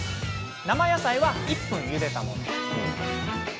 生野菜は１分ゆでたもの。